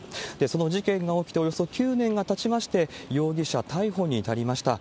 その事件が起きておよそ９年がたちまして、容疑者逮捕に至りました。